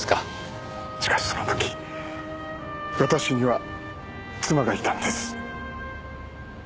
しかしその時私には妻がいたんです。